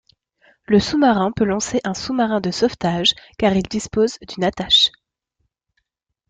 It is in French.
Le sous-marin peut lancer un sous-marin de sauvetage car il dispose d'une attache.